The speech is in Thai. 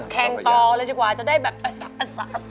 แข่งก่อนแล้วดีกว่าจะได้แบบอัสระ